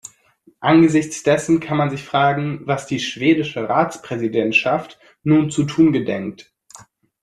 Angesichts dessen kann man sich fragen, was die schwedische Ratspräsidentschaft nun zu tun gedenkt.